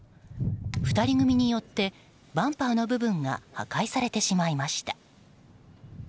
２人組によってバンパーの部分が破壊されてしまいました。